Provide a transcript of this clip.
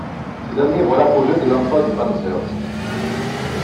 Ces années voient l'apogée de l'emploi du panzers.